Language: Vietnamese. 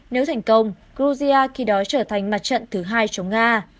nếu thành công gruzia khi đó trở thành mặt trận thứ hai chống nga